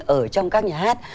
ở trong các nhà hát